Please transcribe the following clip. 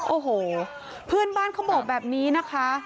โอ้โหเพื่อนบ้านเขาบอกแบบนี้นะคะ